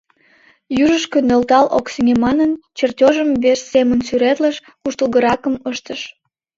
Южышко нӧлтал ок сеҥе манын, чертёжым вес семын сӱретлыш, куштылгыракым ыштыш.